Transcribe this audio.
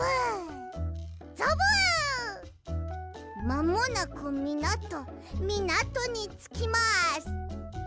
まもなくみなとみなとにつきます！